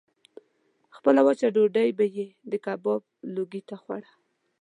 خپله وچه ډوډۍ به یې د کباب لوګي ته خوړه.